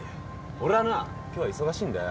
俺はな今日は忙しいんだよ。